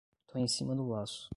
Tô em cima do laço